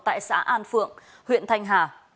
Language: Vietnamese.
tại xã an phượng huyện thanh hà